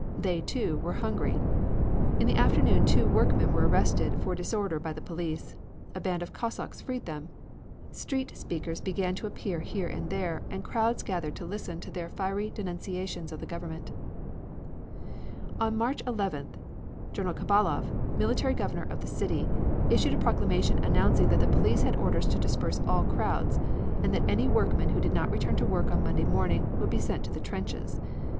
They, too, were hungry. In the afternoon two workmen were arrested for disorder by the police. A band of Cossacks freed them. Street speakers began to appear here and there, and crowds gathered to listen to their fiery denunciations of the government. On March 11th, General Khabalov, military governor of the city, issued a proclamation announcing that the police had orders to disperse all crowds, and that any workman who did not return to work on Monday morning would be sent to the trenches.